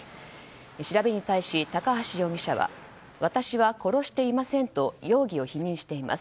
調べに対し、高橋容疑者は私は殺していませんと容疑を否認しています。